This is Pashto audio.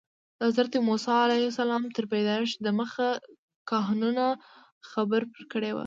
د حضرت موسی علیه السلام تر پیدایښت دمخه کاهنانو خبر ورکړی و.